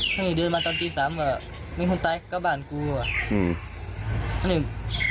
ถ้างี้เดินมาตอนตีสามก็ไม่คนตายข้าวบ้านกูอ่ะอืม